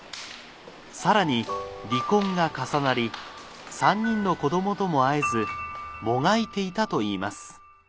さらに離婚が重なり３人の子どもとも会えずもがいていたといいます。